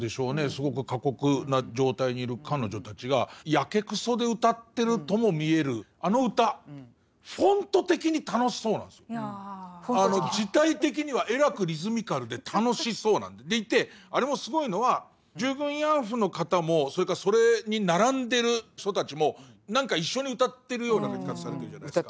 すごく過酷な状態にいる彼女たちがやけくそで歌ってるとも見えるあの歌字体的にはえらくリズミカルで楽しそうなでいてあれもすごいのは従軍慰安婦の方もそれからそれに並んでる人たちも何か一緒に歌ってるような描き方されてるじゃないですか。